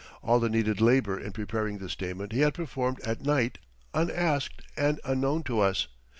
All the needed labor in preparing this statement he had performed at night unasked and unknown to us.